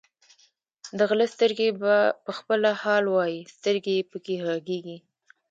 د غله سترګې په خپله حال وایي، سترګې یې پکې غړېږي.